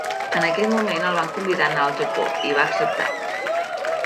En aquell moment el van convidar a anar al Japó, i va acceptar.